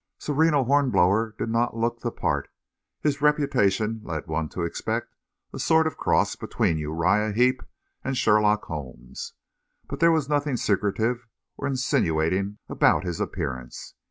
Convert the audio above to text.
Sereno Hornblower did not look the part. His reputation led one to expect a sort of cross between Uriah Heep and Sherlock Holmes, but there was nothing secretive or insinuating about his appearance.